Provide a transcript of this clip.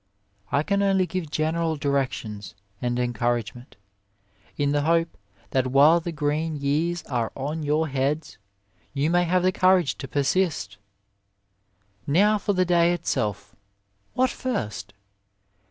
I can only give general directions and encouragement, in the hope c 33 A WAY that while the green years are on your heads, you may have the courage to persist. IV Now, for the day itself! What first